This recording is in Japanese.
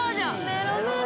メロメロ